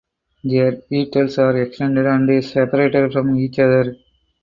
Their petals are extended and separated from each other.